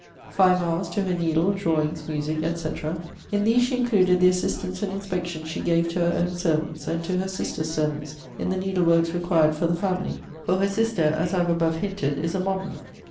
FIVE hours to her needle, drawings, music, &c. In these she included the assistance and inspection she gave to her own servants, and to her sister's servants, in the needle works required for the family: for her sister, as I have above hinted, is a MODERN.